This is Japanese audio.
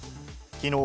きのう